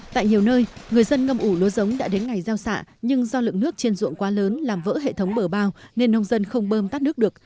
tại nhiều nơi người dân ngâm ủ lúa giống đã đến ngày gieo xạ nhưng do lượng nước trên ruộng quá lớn làm vỡ hệ thống bờ bao nên nông dân không bơm tắt nước được